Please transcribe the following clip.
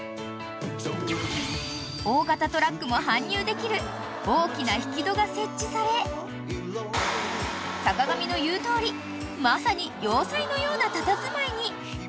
［大型トラックも搬入できる大きな引き戸が設置され坂上の言うとおりまさに要塞のようなたたずまいに］